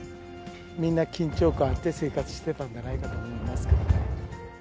みんな緊張感を持って生活してたんじゃないかと思いますけどね。